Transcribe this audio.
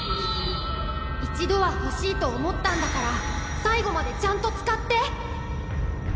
一度はほしいと思ったんだから最後までちゃんと使って！